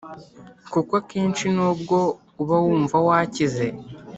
kuko akenshi nubwo uba wumva wakize